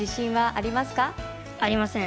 ありません。